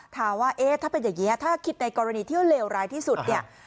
ถามว่าเอ๊ะถ้าเป็นอย่างนี้ถ้าคิดในกรณีที่เลวร้ายที่สุดเนี่ย